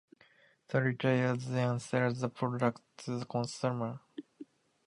The retailer then sells the product to a consumer.